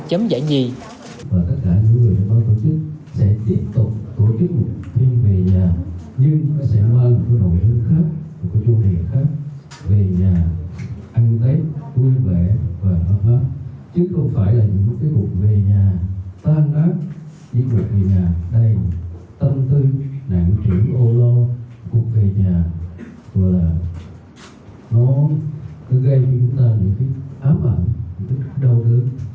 chấm giải nhì và tất cả mọi người đã mong tổ chức sẽ tiếp tục tổ chức cuộc thi về nhà nhưng